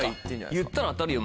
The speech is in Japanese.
言ったら当たるよ